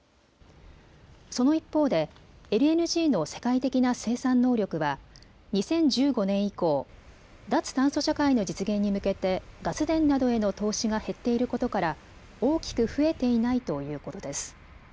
その一方でＬＮＧの世界的な生産能力は２０１５年以降、脱炭素社会の実現に向けてガス田などへの投資が減っていることから大きく増えていないということです。